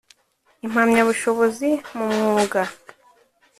impamyabushobozi mu mwuga